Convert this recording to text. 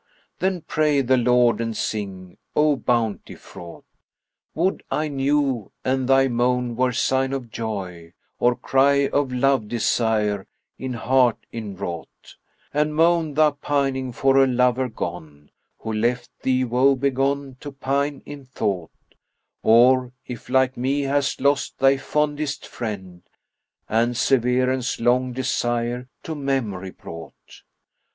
* Then pray the Lord and sing 'O Bounty fraught!' Would I knew an thy moan were sign of joy, * Or cry of love desire in heart inwrought,— An moan thou pining for a lover gone * Who left thee woe begone to pine in thought,— Or if like me hast lost thy fondest friend, * And severance long desire to memory brought?